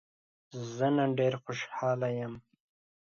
زه نن ډېر خوشحاله يم.